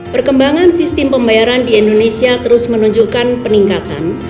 perkembangan sistem pembayaran di indonesia terus menunjukkan peningkatan